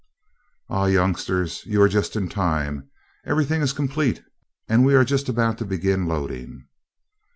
"Ah, youngsters, you are just in time. Everything is complete and we are just about to begin loading."